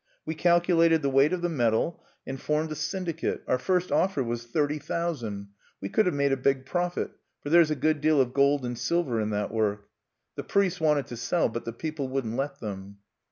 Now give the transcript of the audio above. We calculated the weight of the metal, and formed a syndicate. Our first offer was thirty thousand. We could have made a big profit, for there's a good deal of gold and silver in that work. The priests wanted to sell, but the people wouldn't let them."